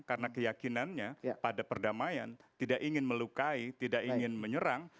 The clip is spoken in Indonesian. karena keyakinannya pada perdamaian tidak ingin melukai tidak ingin menyerang